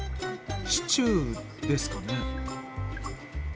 シチューですかね？